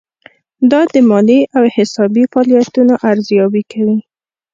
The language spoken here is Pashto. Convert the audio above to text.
دا د مالي او حسابي فعالیتونو ارزیابي کوي.